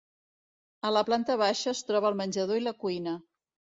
A la planta baixa es troba el menjador i la cuina.